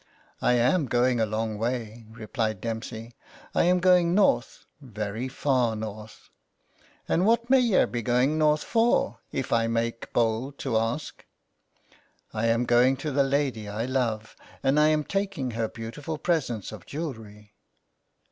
" I am going a long way," replied Dempsey ;" I am going north — very far north." '' And what may yer be going north for, if I may make bold to ask ?"" I am going to the lady I love, and I am taking her beautiful presents of jewellery."